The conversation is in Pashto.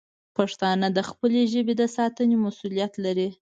پښتانه د خپلې ژبې د ساتنې مسوولیت لري.